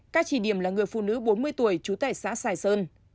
các chỉ điểm là người phụ nữ bốn mươi tuổi trú tại xã sài sơn